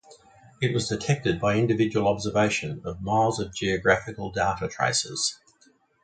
It was detected by individual observation of miles of graphical data traces.